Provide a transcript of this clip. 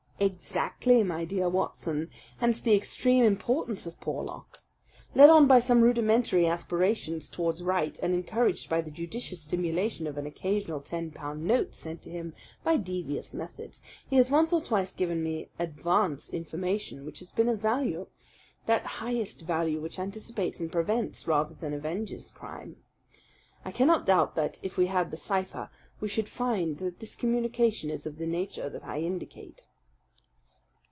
"Exactly, my dear Watson! Hence the extreme importance of Porlock. Led on by some rudimentary aspirations towards right, and encouraged by the judicious stimulation of an occasional ten pound note sent to him by devious methods, he has once or twice given me advance information which has been of value that highest value which anticipates and prevents rather than avenges crime. I cannot doubt that, if we had the cipher, we should find that this communication is of the nature that I indicate."